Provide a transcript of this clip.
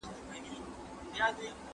پلار به له پخوا زوی ته د ژوند درس ورکړی وي.